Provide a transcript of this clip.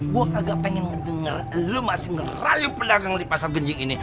gue agak pengen denger lu masih ngerayu pedagang di pasar genjing ini